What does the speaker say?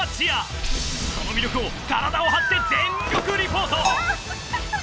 その魅力を体を張って全力リポート！